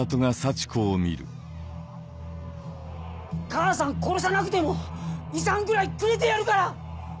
母さん殺さなくても遺産ぐらいくれてやるから！